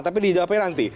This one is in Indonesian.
tapi dijawabin nanti